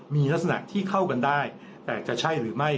มีลักษณะที่เข้ากันได้แต่จะใช่หรือไม่